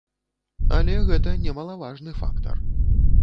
Але гэта немалаважны фактар.